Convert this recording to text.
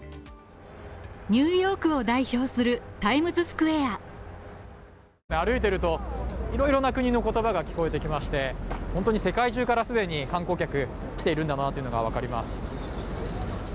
ニューヨークを代表するタイムズスクエア歩いてると、いろいろな国の言葉が聞こえてきまして、本当に世界中から既に観光客来ているんだなというのがわかります。